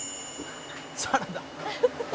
「サラダ！」